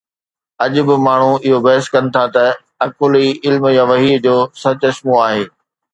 اڄ به ماڻهو اهو بحث ڪن ٿا ته عقل ئي علم يا وحي جو سرچشمو آهي.